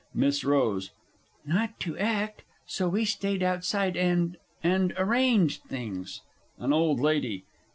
MISS ROSE. Not to act, so we stayed outside and and arranged things. AN OLD LADY.